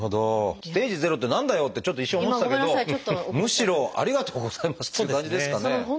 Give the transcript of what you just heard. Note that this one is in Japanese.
ステージ０って何だよ！ってちょっと一瞬思ってたけどむしろありがとうございますっていう感じですかね。